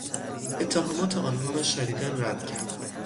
اتهامات آنها را شدیدا رد کرد.